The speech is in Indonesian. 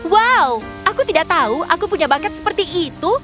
wow aku tidak tahu aku punya bakat seperti itu